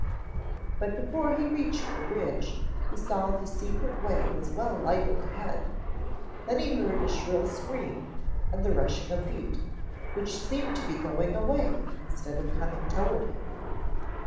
But before he reached the bridge, he saw the secret way was well lighted ahead, then he heard a shrill scream and the rushing of feet, which seemed to be going away instead of coming toward him.